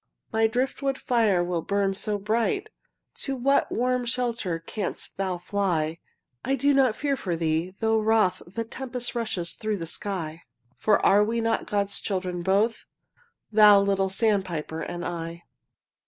My driftwood fire will burn so bright! To what warm shelter canst thou fly? I do not fear for thee, though wroth The tempest rushes through the sky; For are we not God's children both, Thou, little sandpiper, and I?